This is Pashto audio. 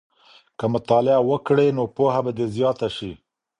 که مطالعه وکړې نو پوهه به دې زیاته سي.